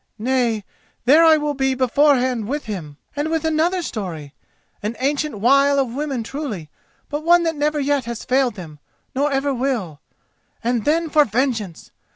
Nay, there I will be beforehand with him, and with another story—an ancient wile of women truly, but one that never yet has failed them, nor ever will. And then for vengeance!